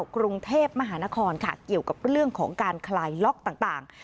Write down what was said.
กรุงเทพมหานครค่ะเกี่ยวกับเรื่องของการคลายล็อกต่าง